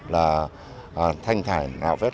là thanh thải nạo vết